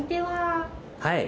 はい。